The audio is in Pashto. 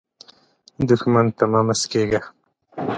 دښمن ته مه مسکېږه